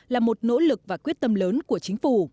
là một nỗ lực và quyết tâm lớn của chính phủ